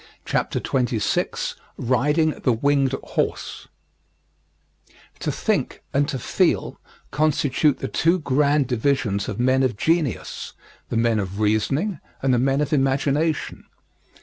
] CHAPTER XXVI RIDING THE WINGED HORSE To think, and to feel, constitute the two grand divisions of men of genius the men of reasoning and the men of imagination.